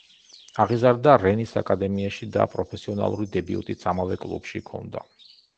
აღიზარდა „რენის“ აკადემიაში და პროფესიონალური დებიუტიც ამავე კლუბში ჰქონდა.